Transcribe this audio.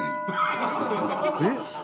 えっ？